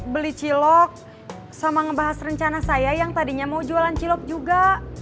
beli cilok sama ngebahas rencana saya yang tadinya mau jualan cilok juga